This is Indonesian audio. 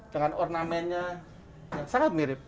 dengan ornamennya yang sangat mirip